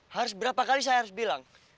harus berapa kali saya harus bilang